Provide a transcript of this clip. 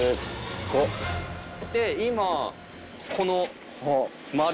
で今この。